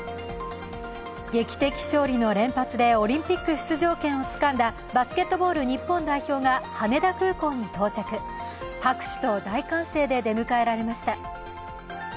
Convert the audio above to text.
劇的勝利の連発でオリンピック出場権をつかんだバスケットボール日本代表が羽田空港に到着、拍手と大歓声で出迎えられました。